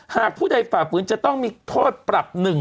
หากผู้ใดฝ่าฝืนจะต้องมีโทษปรับ